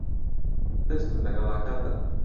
دەستم لە گەڵاکان دا.